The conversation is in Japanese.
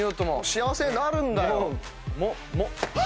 幸せになるんだよ。